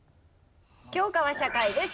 教科は社会です。